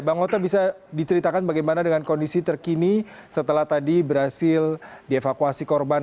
bang ota bisa diceritakan bagaimana dengan kondisi terkini setelah tadi berhasil dievakuasi korban